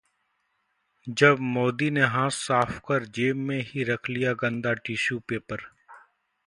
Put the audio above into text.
...जब मोदी ने हाथ साफ कर जेब में ही रख लिया गंदा टीश्यू पेपर